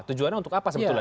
tujuannya untuk apa sebetulnya